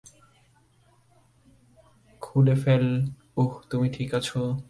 খুলে ফেল - উহ - তুমি ঠিক আছ?